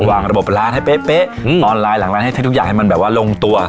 วางระบบร้านให้เป๊ะออนไลน์หลังร้านให้ทุกอย่างให้มันแบบว่าลงตัว